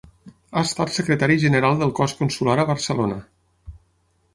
Ha estat secretari general del Cos Consular a Barcelona.